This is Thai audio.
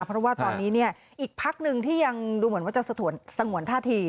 เพราะว่าตอนนี้เนี่ยอีกพักหนึ่งที่ยังดูเหมือนว่าจะสงวนท่าที